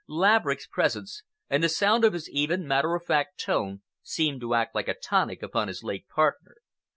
Laverick's presence, and the sound of his even, matter of fact tone, seemed to act like a tonic upon his late partner.